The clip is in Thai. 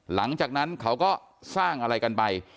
หลังจากนั้นเขาก็สร้างอะไรกันไป